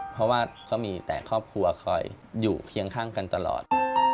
เพราะว่าเขามีแต่ครอบครัวคอยอยู่เคียงข้างกันตลอด